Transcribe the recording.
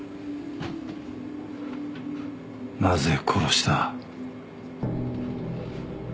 なぜ殺した？